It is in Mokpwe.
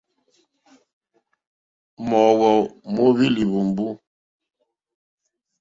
Mǒhwò móhwí líhwùmbú.